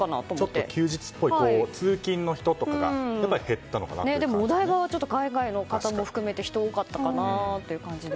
確かに休日っぽい通勤の人とかがでも、お台場はちょっと海外の方も含めて人が多かったかなという感じです。